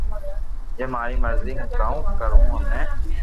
جي تاري مرزي ھون ڪاوُ ڪارو ھمي